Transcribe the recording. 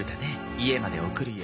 家まで送るよ。